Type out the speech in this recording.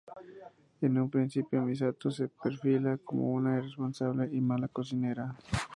En un principio, Misato se perfila como una irresponsable y mala cocinera.